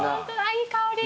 いい香り。